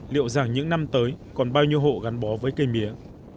liệu rằng những năm tới còn bao nhiêu hộ gắn bó với cây mía